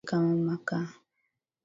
Mweusi kama makaa.